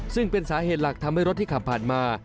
ซึ่งเป็นสาเหตุหลักทำให้รถที่ขับผ่านมา